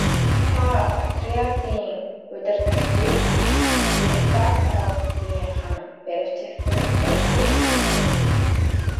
Тус отрядын удирдагчдыг гестапогийнхан баривчилсан нь удалгүй мэдэгджээ.